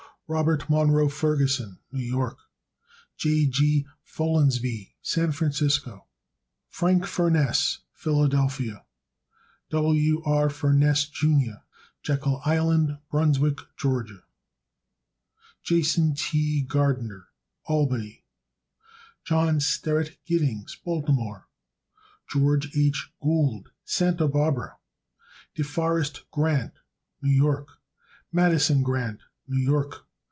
Robert Munro Ferguson, New York. J. G. Follansbee, San Francisco, Cal. Frank Furness, Philadelphia, Pa. W. R. Furness, Jr., Jekyll Island, Brunswick, Ga. Jas. T. Gardiner, Albany, N. Y. John Sterett Gittings, Baltimore, Md. George H. Gould, Santa Barbara, Cal. De Forest Grant, New York. Madison Grant, New York.